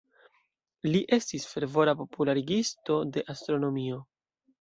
Li estis fervora popularigisto de astronomio.